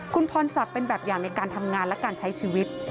คุณพรศักดิ์เป็นแบบอย่างในการทำงานและการใช้ชีวิต